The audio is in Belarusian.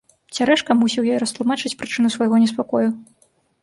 Цярэшка мусіў ёй растлумачыць прычыну свайго неспакою.